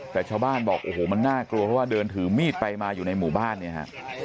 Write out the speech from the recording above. แต่ชาวบ้านบอกโอ้โหมันน่ากลัวเพราะว่าเดินถือมีดไปมาอยู่ในหมู่บ้านเนี่ยฮะ